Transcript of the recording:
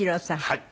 はい。